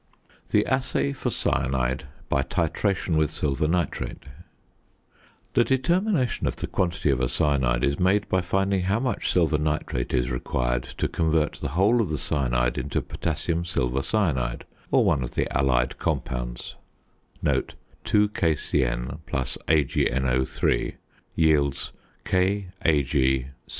THE ASSAY FOR CYANIDE BY TITRATION WITH SILVER NITRATE. The determination of the quantity of a cyanide is made by finding how much silver nitrate is required to convert the whole of the cyanide into potassium silver cyanide or one of the allied compounds.